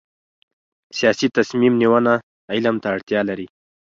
سیاسي تصمیم نیونه علم ته اړتیا لري